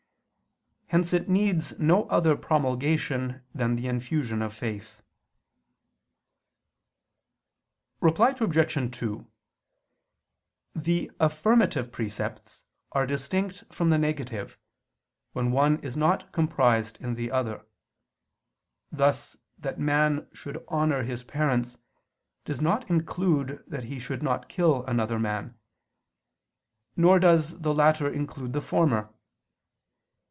Hence it needs no other promulgation that the infusion of faith. Reply Obj. 2: The affirmative precepts are distinct from the negative, when one is not comprised in the other: thus that man should honor his parents does not include that he should not kill another man; nor does the latter include the former.